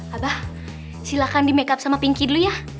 abah silakan di makeup sama pinky dulu ya